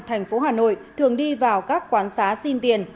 thành phố hà nội thường đi vào các quán xá xin tiền